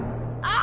あ！